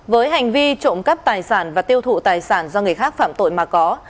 với hành vi trộm cắp tài sản và tiêu thụ tài sản do người khác phạm tội mà có